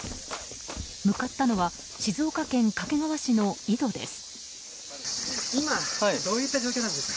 向かったのは静岡県掛川市の井戸です。